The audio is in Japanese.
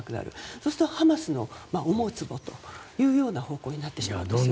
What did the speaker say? そうするとハマスの思うつぼという方向になりますよね。